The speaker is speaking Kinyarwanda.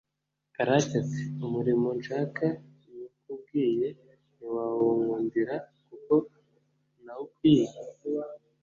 karake, ati « umurimo nshaka nywukubwiye ntiwawunkundira kuko ntawukwiye.